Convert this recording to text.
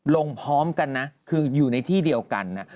พร้อมกันนะคืออยู่ในที่เดียวกัน